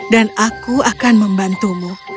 dan aku akan membantumu